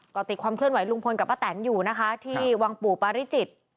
ก็ติดความเคลื่อนไหลุงพลกับป้าแตนอยู่นะคะที่วังปู่ปาริจิตร